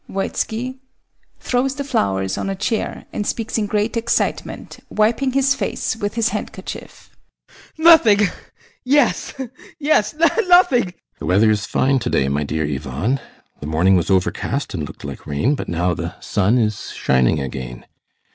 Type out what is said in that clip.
VOITSKI. [Throws the flowers on a chair, and speaks in great excitement, wiping his face with his handkerchief] Nothing yes, yes, nothing. ASTROFF. The weather is fine to day, my dear Ivan; the morning was overcast and looked like rain, but now the sun is shining again.